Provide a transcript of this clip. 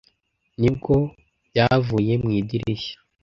nibwo byavuye mu idirishya